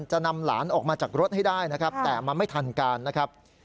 จะนำหลานออกมาจากรถให้ได้นะครับแต่มันไม่ทันการนะครับ